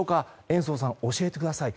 延増さん、教えてください。